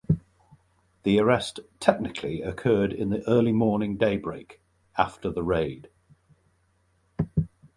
The arrest technically occurred in the early morning daybreak after the raid.